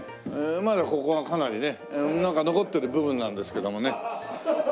まだここがかなりね残ってる部分なんですけどもね。